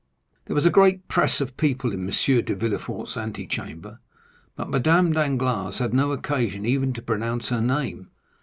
There was a great press of people in M. de Villefort's antechamber, but Madame Danglars had no occasion even to pronounce her name.